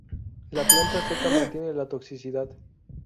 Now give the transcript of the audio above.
La planta seca mantiene la toxicidad.